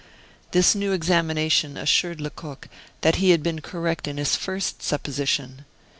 This new examination assured Lecoq that he had been correct in his first supposition.